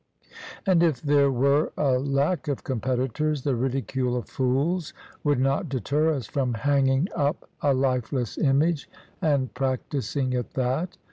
And if there were a lack of competitors, the ridicule of fools would not deter us from hanging up a lifeless image and practising at that.